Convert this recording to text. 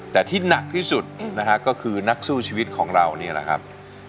แต่ที่หนักที่สุดนะฮะก็คือนักสู้ชีวิตของเรานี่แหละครับ